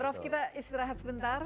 prof kita istirahat sebentar